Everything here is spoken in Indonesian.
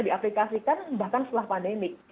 diaplikasikan bahkan setelah pandemik